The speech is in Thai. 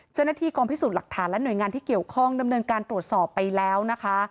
เจ้าหน้าที่กองพิสูจน์หลักฐานและหน่วยงานที่เกี่ยวข้องดำเนินการตรวจสอบไปแล้วนะคะ